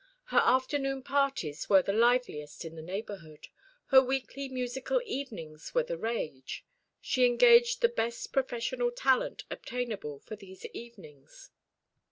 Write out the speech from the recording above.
Her afternoon parties were the liveliest in the neighbourhood. Her weekly musical evenings were the rage. She engaged the best professional talent obtainable for these evenings.